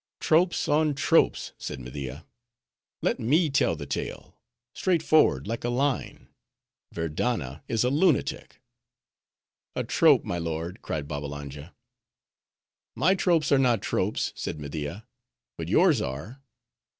"Tropes on tropes!" said. Media. "Let me tell the tale,—straight forward like a line. Verdanna is a lunatic—" "A trope! my lord," cried Babbalanja. "My tropes are not tropes," said Media, "but yours are.